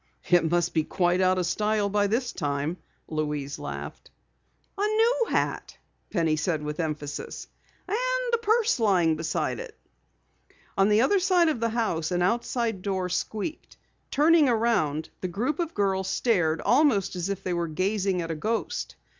"It must be quite out of style by this time," Louise laughed. "A new hat," Penny said with emphasis. "And a purse lying beside it!" At the other side of the house, an outside door squeaked. Turning around, the group of girls stared almost as if they were gazing at a ghost.